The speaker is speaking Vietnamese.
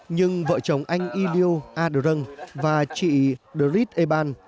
nhưng vợ chồng anh yilu adrung và chị dorit eban